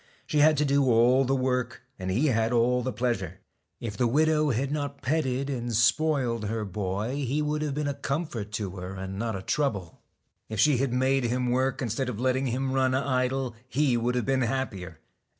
She had to do all the work and he had all the pleasure. If the widow had not petted and spoiled her boy, he would have been a comfort to her instead of a trouble. If she had made him work instead of letting him run idle, he would have been happier.